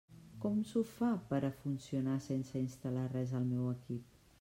Com s'ho fa per a funcionar sense instal·lar res al meu equip?